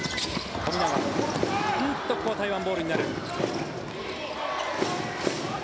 ここは台湾ボールになる。